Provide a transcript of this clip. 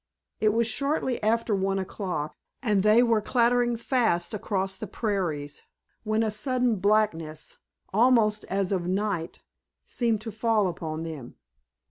It was shortly after one o'clock, and they were clattering fast across the prairies, when a sudden blackness, almost as of night, seemed to fall upon them.